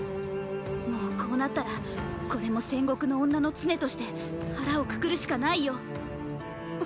もうこうなったらこれも戦国の女の常として腹をくくるしかないよ！